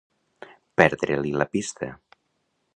Perdre-li la pista.